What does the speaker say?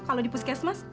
kalau di puskesmas